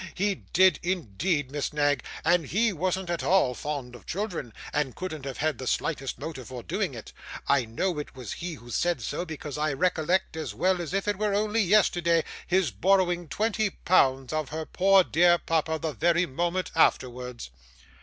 He did indeed, Miss Knag, and he wasn't at all fond of children, and couldn't have had the slightest motive for doing it. I know it was he who said so, because I recollect, as well as if it was only yesterday, his borrowing twenty pounds of her poor dear papa the very moment afterwards.